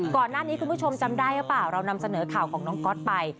ก่อนหน้านี้คุณผู้ชมจำได้ไหมเรานำเสนอข่าวของน้องก๊อตไป